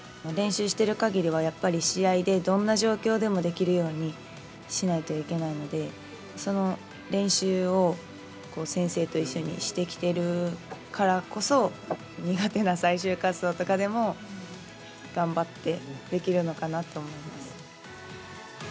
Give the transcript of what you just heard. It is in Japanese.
練習しているかぎりは、やっぱり試合でどんな状況でもできるようにしないといけないので、その練習を先生と一緒にしてきているからこそ、苦手な最終滑走とかでも頑張ってできるのかなと思います。